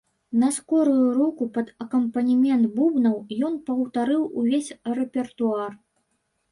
На скорую руку, пад акампанемент бубнаў, ён паўтарыў увесь рэпертуар.